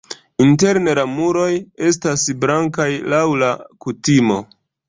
Interne la muroj estas blankaj laŭ la kutimo.